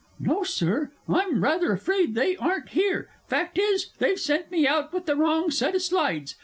No, Sir; I'm rather afraid they ain't here. Fact is, they've sent me out with the wrong set o' slides.